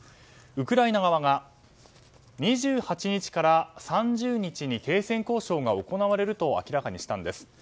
ウクライナ側が２８日から３０日に停戦交渉が行われると明らかにしたんです。